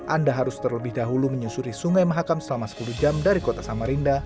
anda harus terlebih dahulu menyusuri sungai mahakam selama sepuluh jam dari kota samarinda